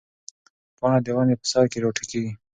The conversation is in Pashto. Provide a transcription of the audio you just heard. پاڼه د ونې په سر کې راټوکېږي.